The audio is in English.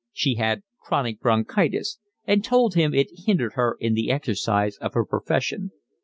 She had chronic bronchitis, and told him it hindered her in the exercise of her profession.